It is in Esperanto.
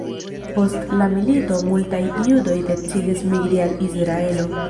Post la milito, multaj judoj decidis migri al Israelo.